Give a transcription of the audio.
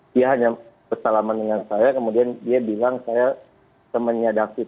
dia hanya bersalaman dengan saya kemudian dia bilang saya temannya david